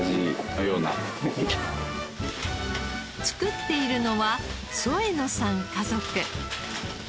作っているのは添野さん家族。